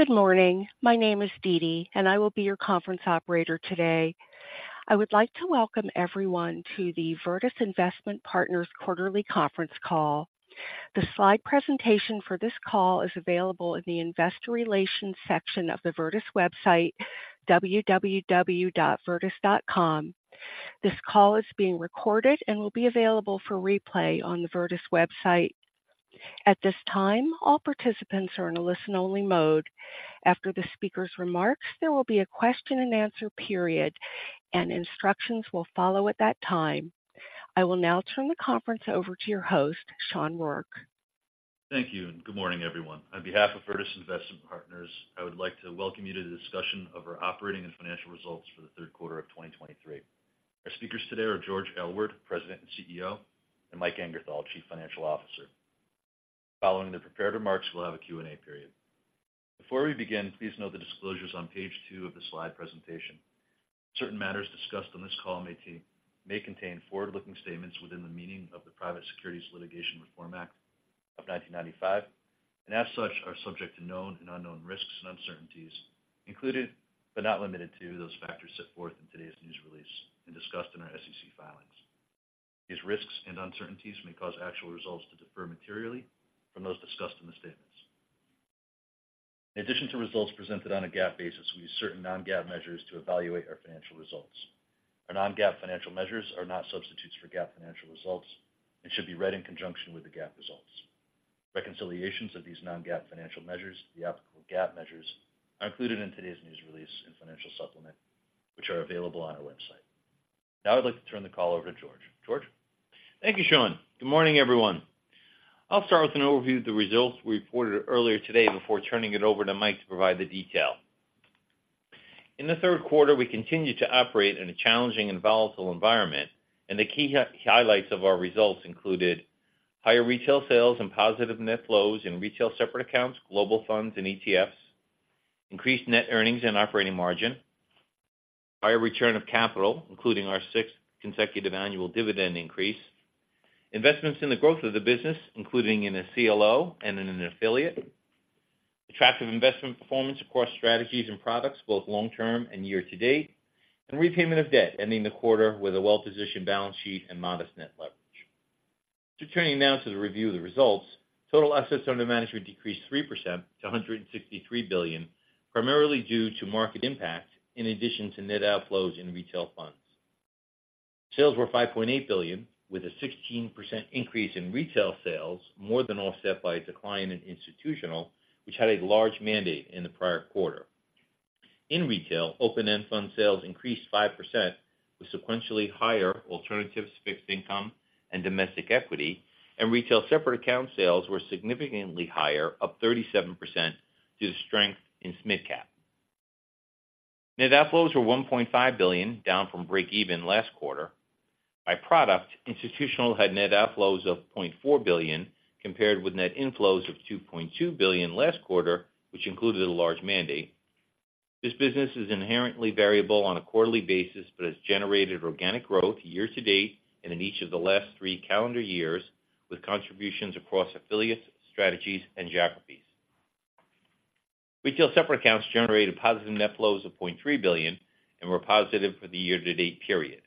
Good morning. My name is DeeDee, and I will be your conference operator today. I would like to welcome everyone to the Virtus Investment Partners Quarterly Conference Call. The slide presentation for this call is available in the Investor Relations section of the Virtus website, www.virtus.com. This call is being recorded and will be available for replay on the Virtus website. At this time, all participants are in a listen-only mode. After the speaker's remarks, there will be a question-and-answer period, and instructions will follow at that time. I will now turn the conference over to your host, Sean Rourke. Thank you, and good morning, everyone. On behalf of Virtus Investment Partners, I would like to welcome you to the discussion of our operating and financial results for the third quarter of 2023. Our speakers today are George Aylward, President and CEO, and Mike Angerthal, Chief Financial Officer. Following the prepared remarks, we'll have a Q&A period. Before we begin, please note the disclosures on page 2 of the slide presentation. Certain matters discussed on this call may contain forward-looking statements within the meaning of the Private Securities Litigation Reform Act of 1995, and as such, are subject to known and unknown risks and uncertainties, including, but not limited to, those factors set forth in today's news release and discussed in our SEC filings. These risks and uncertainties may cause actual results to differ materially from those discussed in the statements. In addition to results presented on a GAAP basis, we use certain non-GAAP measures to evaluate our financial results. Our non-GAAP financial measures are not substitutes for GAAP financial results and should be read in conjunction with the GAAP results. Reconciliations of these non-GAAP financial measures, the applicable GAAP measures, are included in today's news release and financial supplement, which are available on our website. Now I'd like to turn the call over to George. George? Thank you, Sean. Good morning, everyone. I'll start with an overview of the results we reported earlier today before turning it over to Mike to provide the detail. In the third quarter, we continued to operate in a challenging and volatile environment, and the key highlights of our results included higher retail sales and positive net flows in retail separate accounts, global funds and ETFs, increased net earnings and operating margin, higher return of capital, including our sixth consecutive annual dividend increase, investments in the growth of the business, including in a CLO and in an affiliate, attractive investment performance across strategies and products, both long term and year to date, and repayment of debt, ending the quarter with a well-positioned balance sheet and modest net leverage. Turning now to the review of the results. Total assets under management decreased 3% to $163 billion, primarily due to market impact in addition to net outflows in retail funds. Sales were $5.8 billion, with a 16% increase in retail sales, more than offset by a decline in institutional, which had a large mandate in the prior quarter. In retail, open-end fund sales increased 5%, with sequentially higher alternatives, fixed income, and domestic equity, and retail separate account sales were significantly higher, up 37%, due to strength in SMID Cap. Net outflows were $1.5 billion, down from break even last quarter. By product, institutional had net outflows of $0.4 billion, compared with net inflows of $2.2 billion last quarter, which included a large mandate. This business is inherently variable on a quarterly basis, but has generated organic growth year to date and in each of the last three calendar years, with contributions across affiliates, strategies, and geographies. Retail separate accounts generated positive net flows of $0.3 billion and were positive for the year-to-date period.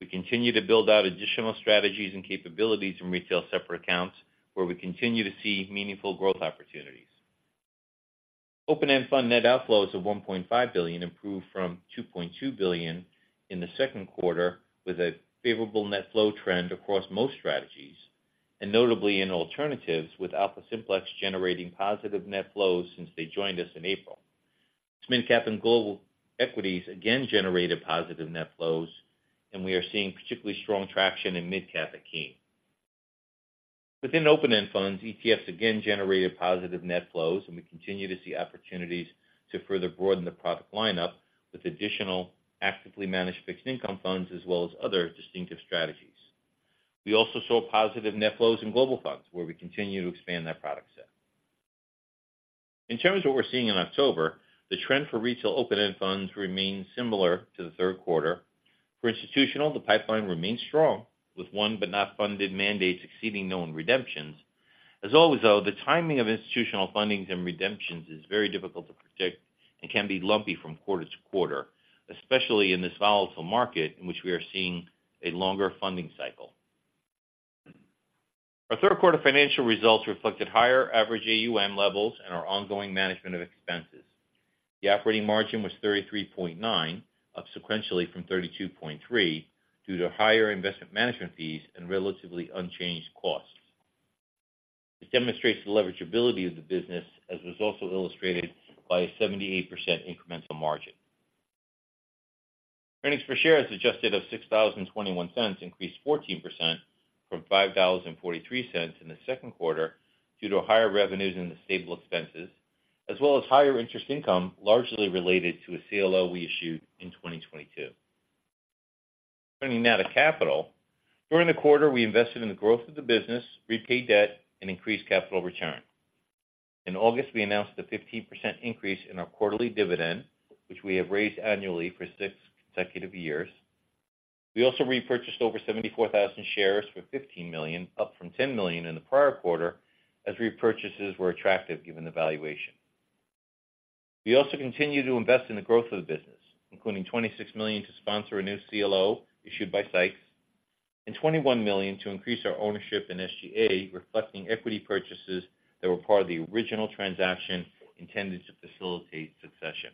We continue to build out additional strategies and capabilities in retail separate accounts, where we continue to see meaningful growth opportunities. Open-end fund net outflows of $1.5 billion improved from $2.2 billion in the second quarter, with a favorable net flow trend across most strategies, and notably in alternatives, with AlphaSimplex generating positive net flows since they joined us in April. SMID Cap and Global Equities again generated positive net flows, and we are seeing particularly strong traction in Mid Cap at Kayne. Within open-end funds, ETFs again generated positive net flows, and we continue to see opportunities to further broaden the product lineup with additional actively managed fixed income funds as well as other distinctive strategies. We also saw positive net flows in global funds, where we continue to expand that product set. In terms of what we're seeing in October, the trend for retail open-end funds remains similar to the third quarter. For institutional, the pipeline remains strong, with won but not funded mandates exceeding known redemptions. As always, though, the timing of institutional fundings and redemptions is very difficult to predict and can be lumpy from quarter to quarter, especially in this volatile market in which we are seeing a longer funding cycle. Our third quarter financial results reflected higher average AUM levels and our ongoing management of expenses. The operating margin was 33.9, up sequentially from 32.3, due to higher investment management fees and relatively unchanged costs. This demonstrates the leverageability of the business, as was also illustrated by a 78% incremental margin. Earnings per share as adjusted of $6.21, increased 14% from $5.43 in the second quarter due to higher revenues and stable expenses, as well as higher interest income, largely related to a CLO we issued in 2022. Turning now to capital. During the quarter, we invested in the growth of the business, repaid debt and increased capital return. In August, we announced a 15% increase in our quarterly dividend, which we have raised annually for six consecutive years. We also repurchased over 74,000 shares for $15 million, up from $10 million in the prior quarter, as repurchases were attractive given the valuation. We also continued to invest in the growth of the business, including $26 million to sponsor a new CLO issued by Seix, and $21 million to increase our ownership in SGA, reflecting equity purchases that were part of the original transaction intended to facilitate succession.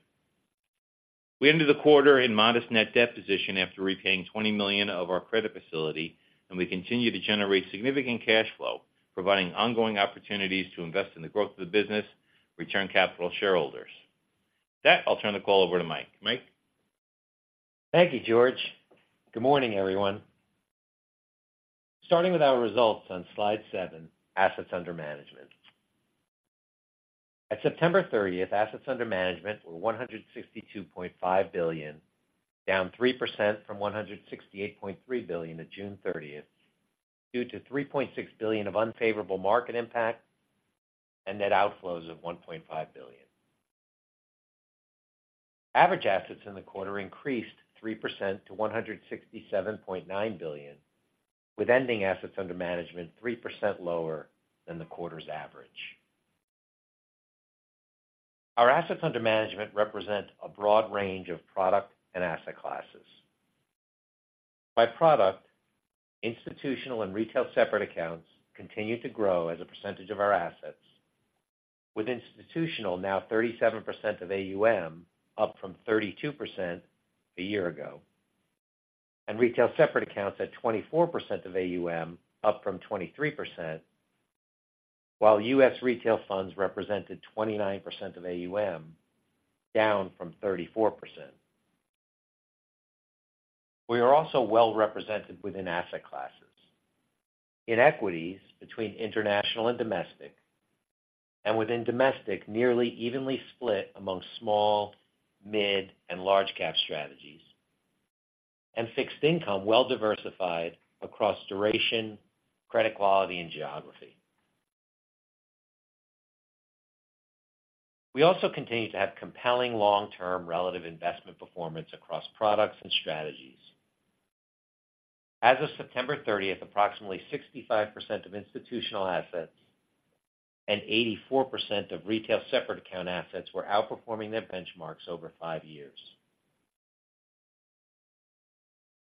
We ended the quarter in modest net debt position after repaying $20 million of our credit facility, and we continue to generate significant cash flow, providing ongoing opportunities to invest in the growth of the business, return capital to shareholders. With that, I'll turn the call over to Mike. Mike? Thank you, George. Good morning, everyone. Starting with our results on Slide 7, Assets Under Management. At September 30, assets under management were $162.5 billion, down 3% from $168.3 billion at June 30, due to $3.6 billion of unfavorable market impact and net outflows of $1.5 billion. Average assets in the quarter increased 3% to $167.9 billion, with ending assets under management 3% lower than the quarter's average. Our assets under management represent a broad range of product and asset classes. By product, institutional and retail separate accounts continue to grow as a percentage of our assets, with institutional now 37% of AUM, up from 32% a year ago, and retail separate accounts at 24% of AUM, up from 23%, while U.S. retail funds represented 29% of AUM, down from 34%. We are also well represented within asset classes. In equities, between international and domestic, and within domestic, nearly evenly split among small, mid, and large cap strategies, and fixed income, well diversified across duration, credit quality, and geography. We also continue to have compelling long-term relative investment performance across products and strategies. As of September thirtieth, approximately 65% of institutional assets and 84% of retail separate account assets were outperforming their benchmarks over five years.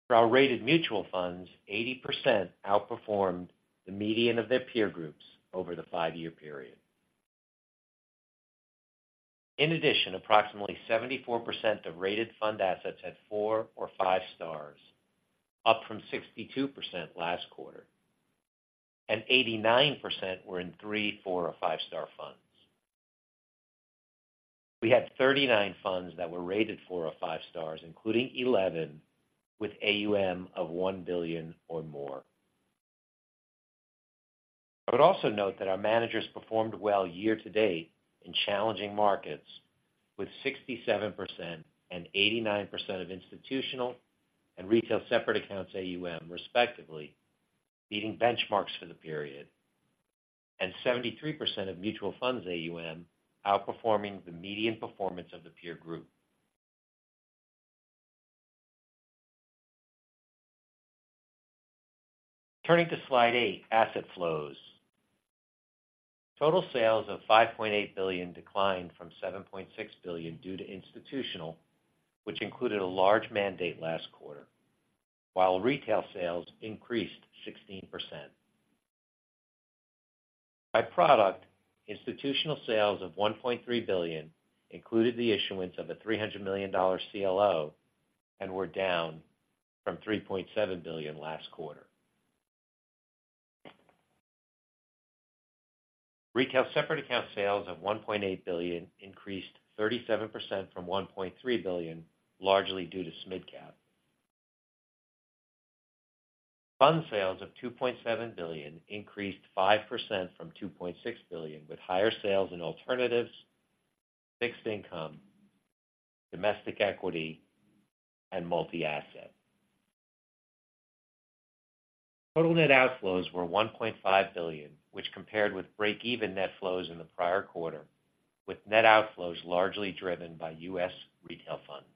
For our rated mutual funds, 80% outperformed the median of their peer groups over the 5-year period. In addition, approximately 74% of rated fund assets had four or five stars, up from 62% last quarter, and 89% were in three, four, or five-star funds. We had 39 funds that were rated four or five stars, including 11 with AUM of $1 billion or more. I would also note that our managers performed well year-to-date in challenging markets, with 67% and 89% of institutional and retail separate accounts AUM, respectively, beating benchmarks for the period, and 73% of mutual funds AUM outperforming the median performance of the peer group. Turning to Slide 8, Asset Flows. Total sales of $5.8 billion declined from $7.6 billion due to institutional, which included a large mandate last quarter, while retail sales increased 16%. By product, institutional sales of $1.3 billion included the issuance of a $300 million CLO and were down from $3.7 billion last quarter. Retail separate account sales of $1.8 billion increased 37% from $1.3 billion, largely due to SMID Cap. Fund sales of $2.7 billion increased 5% from $2.6 billion, with higher sales in alternatives, fixed income, domestic equity, and multi-asset. Total net outflows were $1.5 billion, which compared with break-even net flows in the prior quarter, with net outflows largely driven by U.S. retail funds.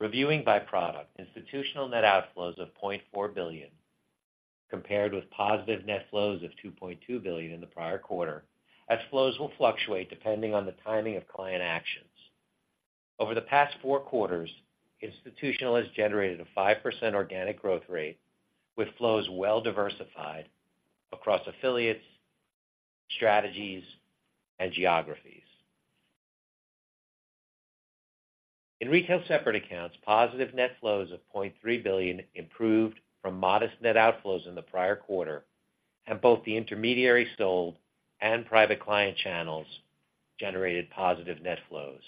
Reviewing by product, institutional net outflows of $0.4 billion compared with positive net flows of $2.2 billion in the prior quarter, as flows will fluctuate depending on the timing of client actions. Over the past four quarters, institutional has generated a 5% organic growth rate, with flows well diversified across affiliates, strategies, and geographies. In retail separate accounts, positive net flows of $0.3 billion improved from modest net outflows in the prior quarter, and both the intermediary sold and private client channels generated positive net flows.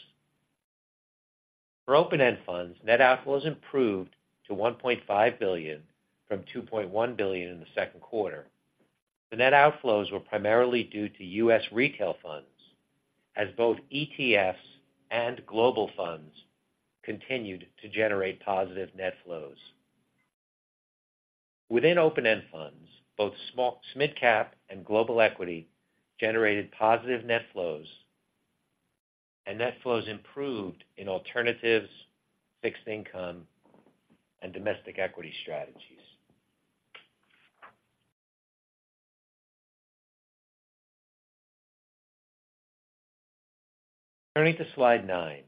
For open-end funds, net outflows improved to $1.5 billion from $2.1 billion in the second quarter. The net outflows were primarily due to U.S. retail funds, as both ETFs and global funds continued to generate positive net flows. Within open-end funds, both small-mid-cap and global equity generated positive net flows, and net flows improved in alternatives, fixed income, and domestic equity strategies. Turning to Slide 9.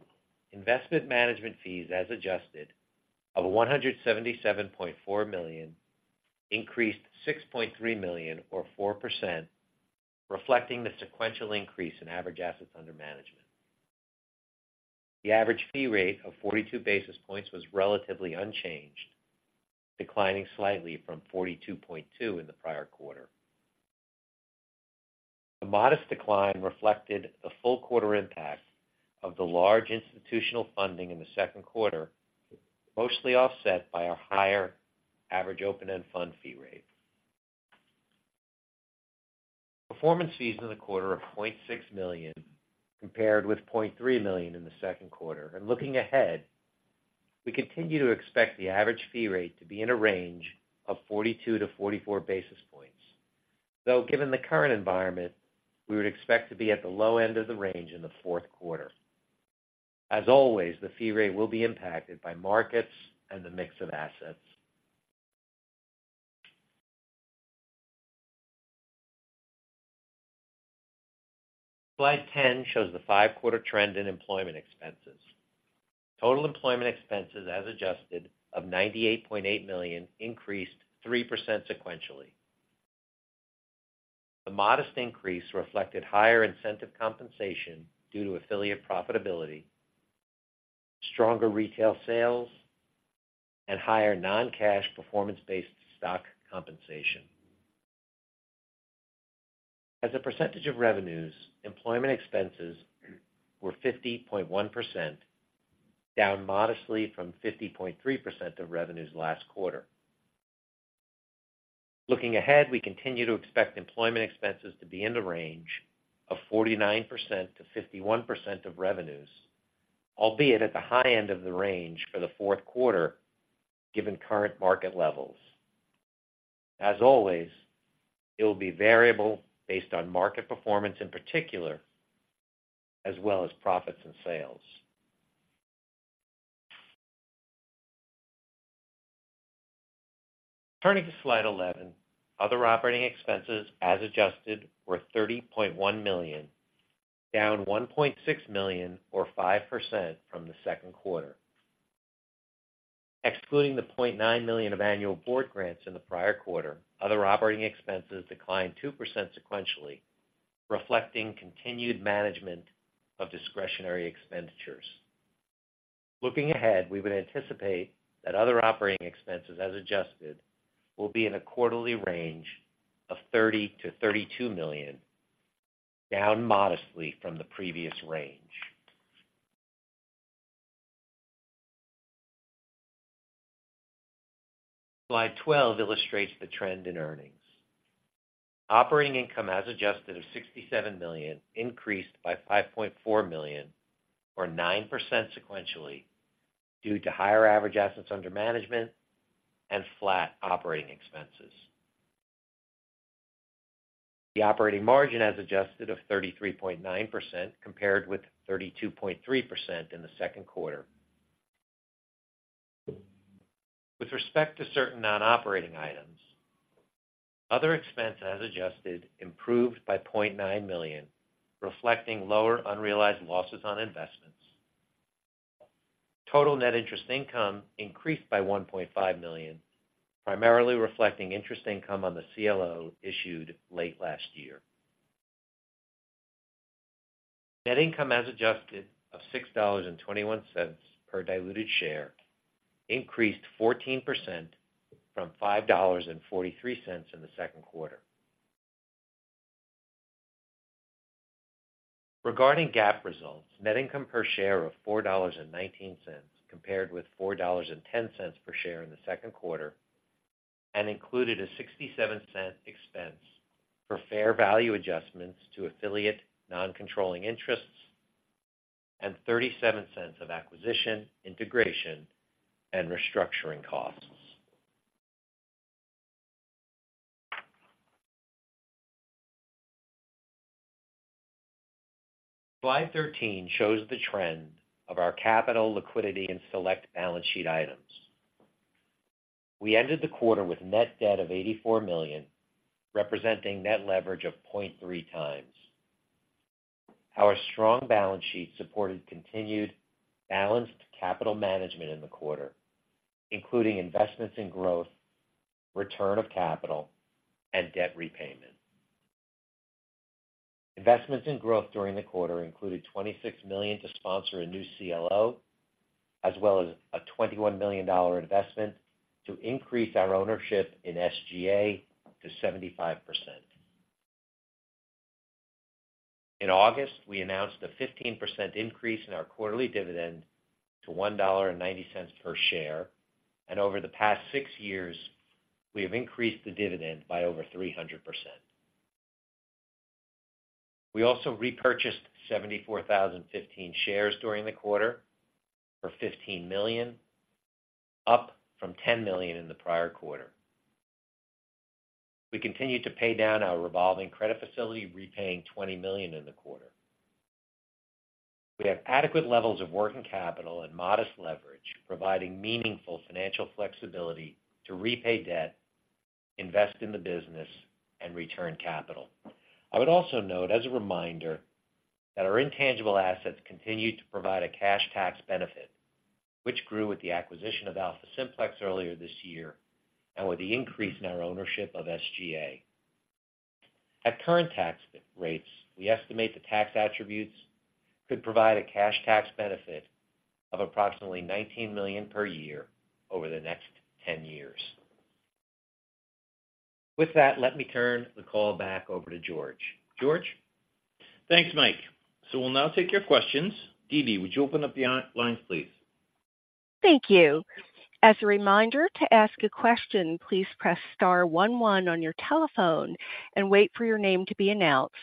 Investment management fees as adjusted of $177.4 million increased $6.3 million, or 4%, reflecting the sequential increase in average assets under management. The average fee rate of 42 basis points was relatively unchanged, declining slightly from 42.2 in the prior quarter. The modest decline reflected the full quarter impact of the large institutional funding in the second quarter, mostly offset by our higher average open-end fund fee rate. Performance fees in the quarter of $0.6 million, compared with $0.3 million in the second quarter. And looking ahead, we continue to expect the average fee rate to be in a range of 42-44 basis points, though, given the current environment, we would expect to be at the low end of the range in the fourth quarter. As always, the fee rate will be impacted by markets and the mix of assets. Slide 10 shows the 5-quarter trend in employment expenses. Total employment expenses, as adjusted of $98.8 million, increased 3% sequentially. The modest increase reflected higher incentive compensation due to affiliate profitability, stronger retail sales, and higher non-cash performance-based stock compensation. As a percentage of revenues, employment expenses were 50.1%, down modestly from 50.3% of revenues last quarter. Looking ahead, we continue to expect employment expenses to be in the range of 49%-51% of revenues, albeit at the high end of the range for the fourth quarter, given current market levels. As always, it will be variable based on market performance, in particular, as well as profits and sales. Turning to Slide 11. Other operating expenses as adjusted, were $30.1 million, down $1.6 million, or 5% from the second quarter. Excluding the $0.9 million of annual board grants in the prior quarter, other operating expenses declined 2% sequentially, reflecting continued management of discretionary expenditures. Looking ahead, we would anticipate that other operating expenses as adjusted, will be in a quarterly range of $30 million-$32 million, down modestly from the previous range. Slide 12 illustrates the trend in earnings. Operating income as adjusted of $67 million, increased by $5.4 million, or 9% sequentially, due to higher average assets under management and flat operating expenses. The operating margin as adjusted of 33.9%, compared with 32.3% in the second quarter. With respect to certain non-operating items, other expenses as adjusted improved by $0.9 million, reflecting lower unrealized losses on investments. Total net interest income increased by $1.5 million, primarily reflecting interest income on the CLO issued late last year. Net income as adjusted of $6.21 per diluted share increased 14% from $5.43 in the second quarter. Regarding GAAP results, net income per share of $4.19, compared with $4.10 per share in the second quarter, and included a $0.67 expense for fair value adjustments to affiliate non-controlling interests, and $0.37 of acquisition, integration, and restructuring costs. Slide 13 shows the trend of our capital, liquidity, and select balance sheet items. We ended the quarter with net debt of $84 million, representing net leverage of 0.3x. Our strong balance sheet supported continued balanced capital management in the quarter, including investments in growth, return of capital, and debt repayment. Investments in growth during the quarter included $26 million to sponsor a new CLO, as well as a $21 million investment to increase our ownership in SGA to 75%. In August, we announced a 15% increase in our quarterly dividend to $1.90 per share, and over the past six years, we have increased the dividend by over 300%. We also repurchased 74,015 shares during the quarter for $15 million, up from $10 million in the prior quarter. We continued to pay down our revolving credit facility, repaying $20 million in the quarter. We have adequate levels of working capital and modest leverage, providing meaningful financial flexibility to repay debt, invest in the business, and return capital. I would also note, as a reminder, that our intangible assets continued to provide a cash tax benefit, which grew with the acquisition of AlphaSimplex earlier this year and with the increase in our ownership of SGA. At current tax rates, we estimate the tax attributes could provide a cash tax benefit of approximately $19 million per year over the next 10 years. With that, let me turn the call back over to George. George? Thanks, Mike. So we'll now take your questions. DeeDee, would you open up the lines, please? Thank you. As a reminder, to ask a question, please press star one one on your telephone and wait for your name to be announced.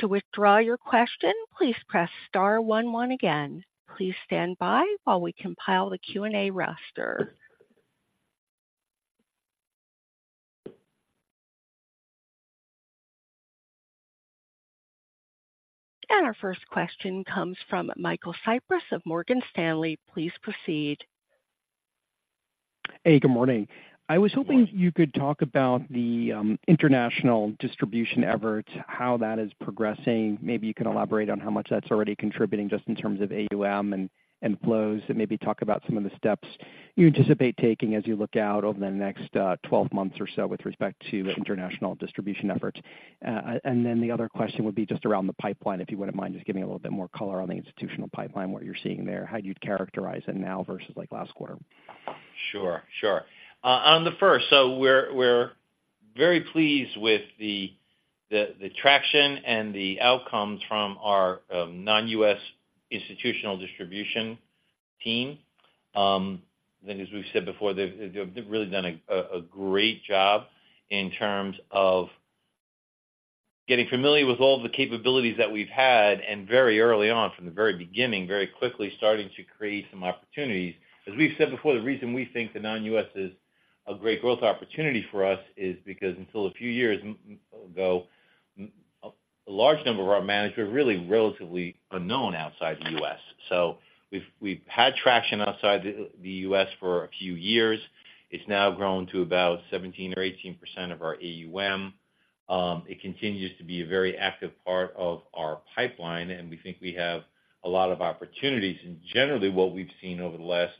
To withdraw your question, please press star one one again. Please stand by while we compile the Q&A roster. Our first question comes from Michael Cyprys of Morgan Stanley. Please proceed. Hey, good morning. I was hoping you could talk about the international distribution efforts, how that is progressing. Maybe you can elaborate on how much that's already contributing, just in terms of AUM and flows, and maybe talk about some of the steps you anticipate taking as you look out over the next 12 months or so with respect to international distribution efforts. And then the other question would be just around the pipeline. If you wouldn't mind just giving a little bit more color on the institutional pipeline, what you're seeing there, how you'd characterize it now versus, like, last quarter. Sure, sure. On the first, so we're very pleased with the traction and the outcomes from our non-U.S. institutional distribution team. And as we've said before, they've really done a great job in terms of getting familiar with all the capabilities that we've had, and very early on, from the very beginning, very quickly starting to create some opportunities. As we've said before, the reason we think the non-U.S. is a great growth opportunity for us is because until a few years ago, a large number of our managers were really relatively unknown outside the U.S. So we've had traction outside the U.S. for a few years. It's now grown to about 17 or 18% of our AUM. It continues to be a very active part of our pipeline, and we think we have a lot of opportunities. Generally, what we've seen over the last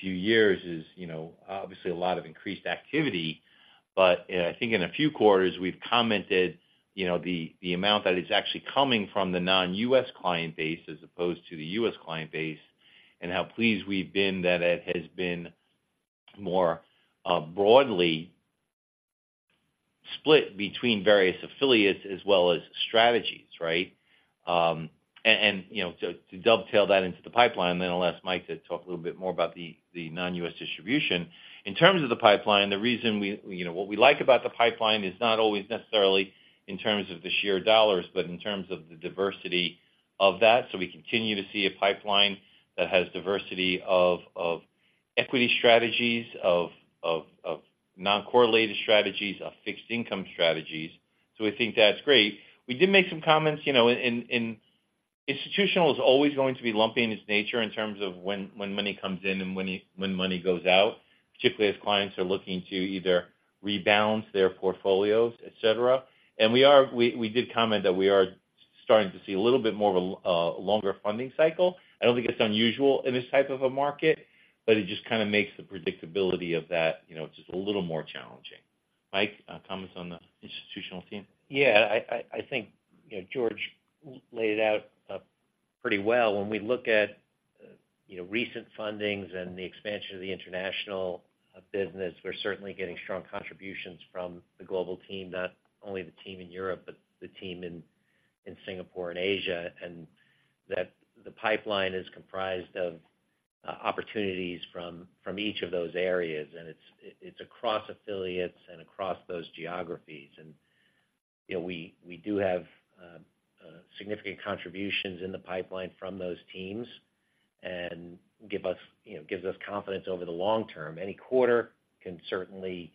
few years is, you know, obviously a lot of increased activity. I think in a few quarters, we've commented, you know, the amount that is actually coming from the non-U.S. client base as opposed to the U.S. client base, and how pleased we've been that it has been more broadly split between various affiliates as well as strategies, right? And, you know, so to dovetail that into the pipeline, then I'll ask Mike to talk a little bit more about the non-U.S. distribution. In terms of the pipeline, the reason we, you know, what we like about the pipeline is not always necessarily in terms of the sheer dollars, but in terms of the diversity of that. So we continue to see a pipeline that has diversity of equity strategies, of non-correlated strategies, of fixed income strategies. So we think that's great. We did make some comments, you know, in institutional is always going to be lumpy in its nature in terms of when money comes in and when money goes out, particularly as clients are looking to either rebalance their portfolios, et cetera. And we did comment that we are starting to see a little bit more of a longer funding cycle. I don't think it's unusual in this type of a market, but it just kind of makes the predictability of that, you know, just a little more challenging. Mike, comments on the institutional team? Yeah, I think, you know, George laid out pretty well. When we look at, you know, recent fundings and the expansion of the international business, we're certainly getting strong contributions from the global team, not only the team in Europe, but the team in Singapore and Asia. And that the pipeline is comprised of opportunities from each of those areas, and it's across affiliates and across those geographies. And, you know, we do have significant contributions in the pipeline from those teams and gives us, you know, gives us confidence over the long term. Any quarter can certainly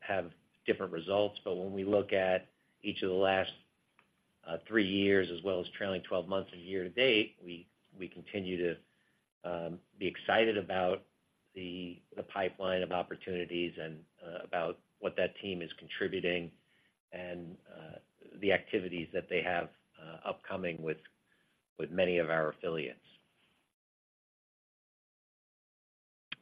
have different results, but when we look at each of the last three years, as well as trailing 12 months and year to date, we continue to be excited about the pipeline of opportunities and about what that team is contributing and the activities that they have upcoming with many of our affiliates.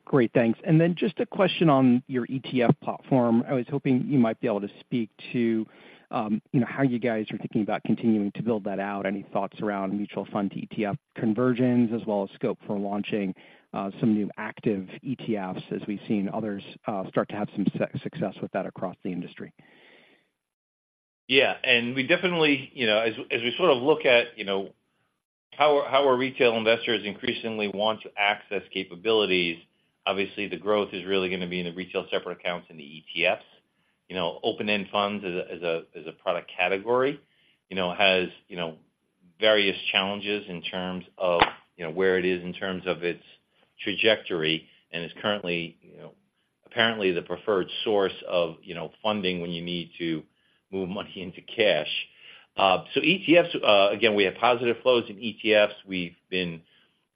Great, thanks. And then just a question on your ETF platform. I was hoping you might be able to speak to, you know, how you guys are thinking about continuing to build that out. Any thoughts around mutual fund to ETF conversions, as well as scope for launching some new active ETFs, as we've seen others start to have some success with that across the industry? Yeah, and we definitely, you know, as we sort of look at, you know, how our retail investors increasingly want to access capabilities. Obviously, the growth is really gonna be in the retail separate accounts and the ETFs. You know, open-end funds as a product category, you know, has, you know, various challenges in terms of, you know, where it is in terms of its trajectory, and is currently, you know, apparently the preferred source of, you know, funding when you need to move money into cash. So ETFs, again, we have positive flows in ETFs. We've been,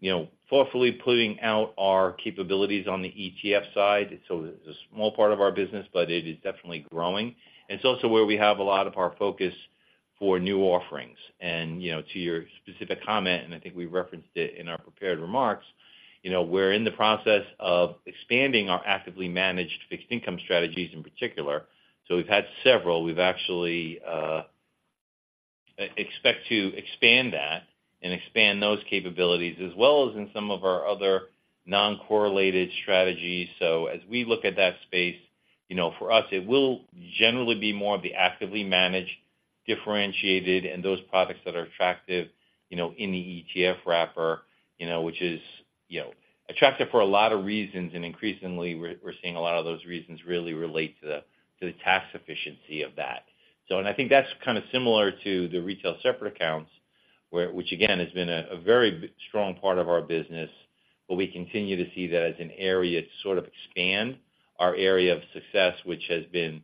you know, thoughtfully putting out our capabilities on the ETF side. So it's a small part of our business, but it is definitely growing. It's also where we have a lot of our focus for new offerings. You know, to your specific comment, and I think we referenced it in our prepared remarks, you know, we're in the process of expanding our actively managed fixed income strategies in particular. So we've had several. We've actually expect to expand that and expand those capabilities, as well as in some of our other non-correlated strategies. So as we look at that space, you know, for us, it will generally be more of the actively managed, differentiated, and those products that are attractive, you know, in the ETF wrapper, you know, which is, you know, attractive for a lot of reasons. And increasingly, we're, we're seeing a lot of those reasons really relate to the tax efficiency of that. I think that's kind of similar to the retail separate accounts, where—which again, has been a very strong part of our business, but we continue to see that as an area to sort of expand our area of success, which has been,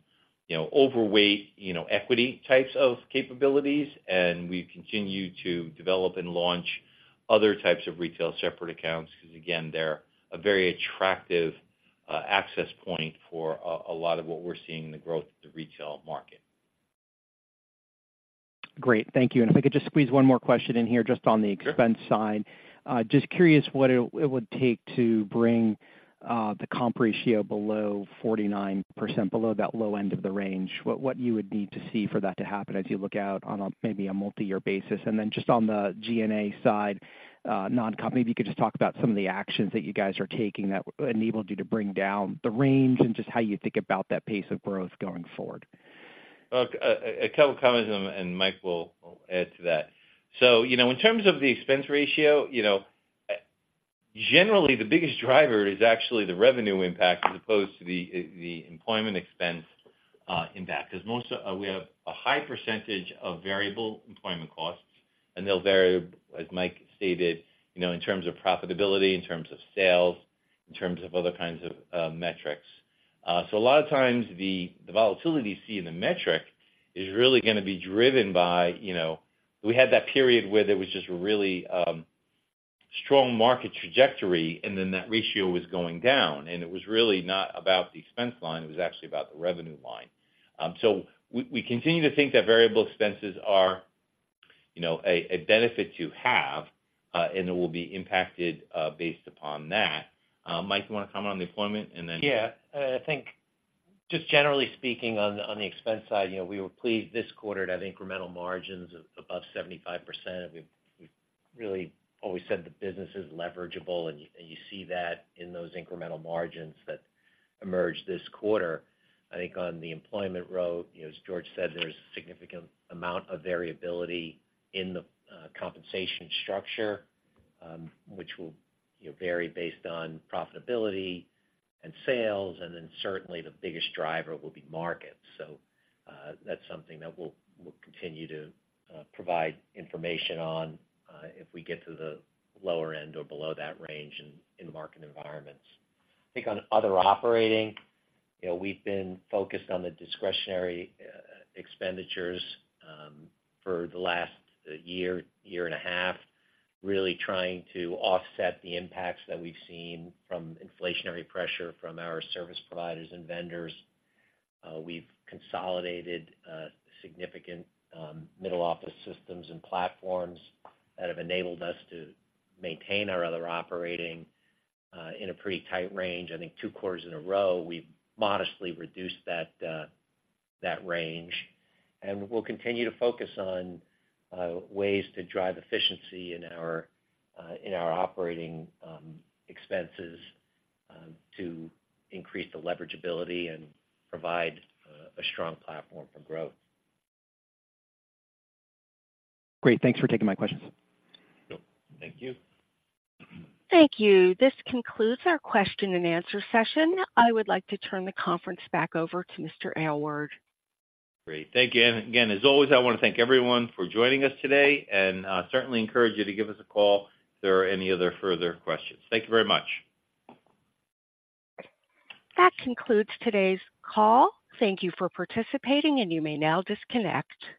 you know, overweight, you know, equity types of capabilities. And we've continued to develop and launch other types of retail separate accounts, because, again, they're a very attractive access point for a lot of what we're seeing in the growth of the retail market. Great. Thank you. And if I could just squeeze one more question in here, just on the- Sure. -expense side. Just curious what it would take to bring the comp ratio below 49%, below that low end of the range. What you would need to see for that to happen as you look out on a, maybe a multi-year basis? And then just on the GNA side, non-comp, maybe you could just talk about some of the actions that you guys are taking that enabled you to bring down the range and just how you think about that pace of growth going forward. Look, a couple comments, and Mike will add to that. So, you know, in terms of the expense ratio, you know, generally, the biggest driver is actually the revenue impact as opposed to the, the employment expense, impact. Because most of-- we have a high percentage of variable employment costs, and they'll vary, as Mike stated, you know, in terms of profitability, in terms of sales, in terms of other kinds of, metrics. So a lot of times the, the volatility you see in the metric is really gonna be driven by, you know. We had that period where there was just really, strong market trajectory, and then that ratio was going down, and it was really not about the expense line, it was actually about the revenue line. So we continue to think that variable expenses are, you know, a benefit to have, and it will be impacted based upon that. Mike, you want to comment on the employment, and then- Yeah. I think just generally speaking, on the expense side, you know, we were pleased this quarter to have incremental margins of above 75%. We've really always said the business is leverageable, and you see that in those incremental margins that emerged this quarter. I think on the employment side, you know, as George said, there's a significant amount of variability in the compensation structure, which will, you know, vary based on profitability and sales, and then certainly the biggest driver will be markets. So, that's something that we'll continue to provide information on if we get to the lower end or below that range in the market environments. I think on other operating, you know, we've been focused on the discretionary expenditures for the last year and a half, really trying to offset the impacts that we've seen from inflationary pressure from our service providers and vendors. We've consolidated significant middle office systems and platforms that have enabled us to maintain our other operating in a pretty tight range. I think two quarters in a row, we've modestly reduced that range. We'll continue to focus on ways to drive efficiency in our operating expenses to increase the leverageability and provide a strong platform for growth. Great. Thanks for taking my questions. Yep. Thank you. Thank you. This concludes our question and answer session. I would like to turn the conference back over to Mr. Aylward. Great. Thank you. And again, as always, I want to thank everyone for joining us today, and certainly encourage you to give us a call if there are any other further questions. Thank you very much. That concludes today's call. Thank you for participating, and you may now disconnect.